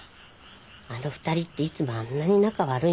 あの２人っていつもあんなに仲悪いの？